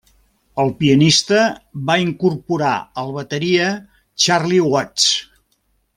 El pianista va incorporar al bateria Charlie Watts.